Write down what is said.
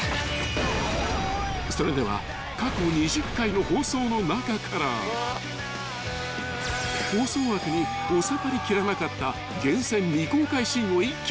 ［それでは過去２０回の放送の中から放送枠に収まりきらなかった厳選］